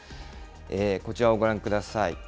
こちらをご覧ください。